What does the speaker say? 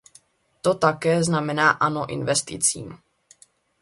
To také znamená ano investicím.